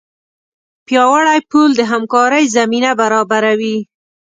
پیاوړی پل د همکارۍ زمینه برابروي.